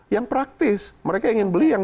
yang praktis mereka ingin beli yang